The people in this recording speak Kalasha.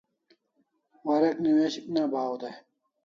Warek newishik ne baw dai